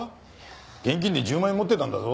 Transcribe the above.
現金で１０万円持ってたんだぞ。